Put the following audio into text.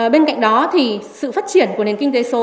bên cạnh đó thì sự phát triển của nền kinh tế số